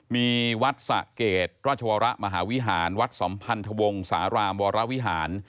มีวัดสะเกดราชวรมหาวิหารวัดสัมพันธวงศาลามวรวิหาร